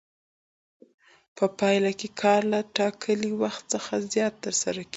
په پایله کې کار له ټاکلي وخت څخه زیات ترسره کېږي